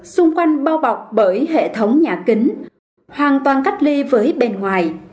xung quanh bao bọc bởi hệ thống nhà kính hoàn toàn cách ly với bên ngoài